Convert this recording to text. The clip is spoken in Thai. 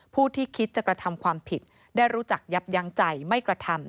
ผู้ที่คิดจะกระทำความผิดได้รู้จักยับยั้งใจไม่กระทำ